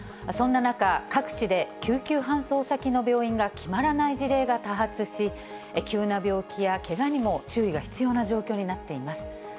そんな中、各地で救急搬送先の病院が決まらない事例が多発し、急な病気やけがにも注意が必要な状況になっています。